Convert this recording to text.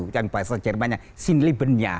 yang bahasa jerman nya sinleben nya